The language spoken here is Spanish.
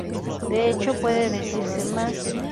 De hecho, puede decirse más.